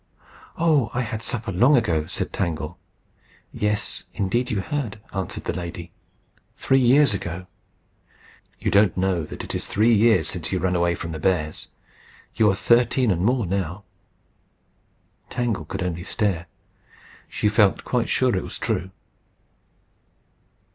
"Oh! I had supper long ago," said Tangle. "Yes, indeed you had," answered the lady "three years ago. You don't know that it is three years since you ran away from the bears. You are thirteen and more now." Tangle could only stare. She felt quite sure it was true.